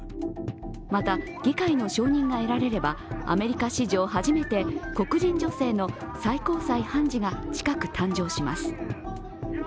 また、議会の承認が得られればアメリカ史上初めて黒人女性の最高裁判事が近く誕生します。